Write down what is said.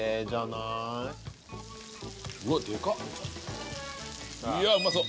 いやーうまそう！